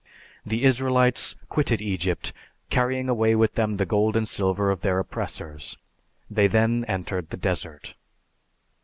The Israelites quitted Egypt carrying away with them the gold and silver of their oppressors. They then entered the desert.